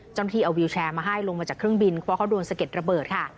ที่เอาวิวแชร์มาให้ลงมาจากเครื่องบินเพราะเขาโดนสะเก็ดระเบิดค่ะ